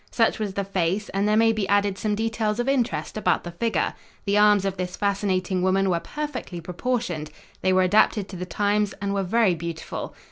Such was the face, and there may be added some details of interest about the figure. The arms of this fascinating woman were perfectly proportioned. They were adapted to the times and were very beautiful.